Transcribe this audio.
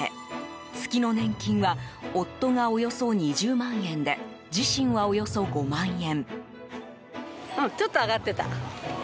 月の年金は夫がおよそ２０万円で自身は、およそ５万円。